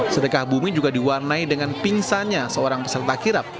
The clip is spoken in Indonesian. sedekah bumi juga diwarnai dengan pingsannya seorang peserta kirap